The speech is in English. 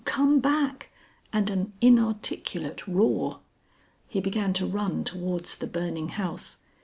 "Come back!" and an inarticulate roar. He began to run towards the burning house.